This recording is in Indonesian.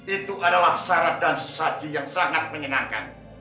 itu adalah syarat dan sesaji yang sangat menyenangkan